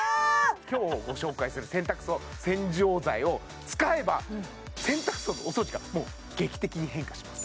今日ご紹介する洗濯槽洗浄剤を使えば洗濯槽のお掃除が劇的に変化します